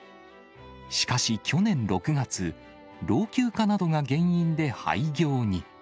しかし去年６月、老朽化などが原因で廃業に。